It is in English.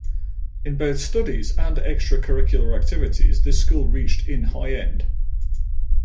In both studies and extra curricular activities this school reached in high end.